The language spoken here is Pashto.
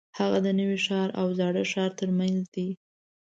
هغه د نوي ښار او زاړه ښار ترمنځ دی.